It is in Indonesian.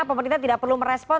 pemerintah tidak perlu merespon